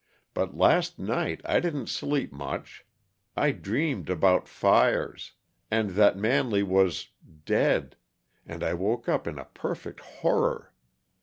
But last night I didn't sleep much. I dreamed about fires, and that Manley was dead and I woke up in a perfect horror.